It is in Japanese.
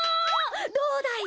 どうだい？